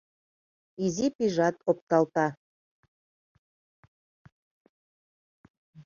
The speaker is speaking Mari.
Изи пийжат опталта.